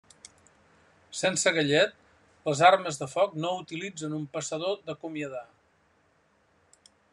Sense gallet Les armes de foc no utilitzen un passador d'acomiadar.